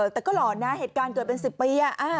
แต่ก็หลอนนะเหตุการณ์เกิดเป็น๑๐ปี